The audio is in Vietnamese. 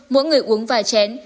mỗi người uống vài chén